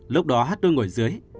lúc đó hát tôi ngồi dưới